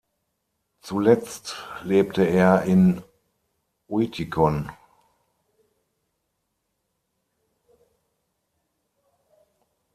Zuletzt lebte er in Uitikon.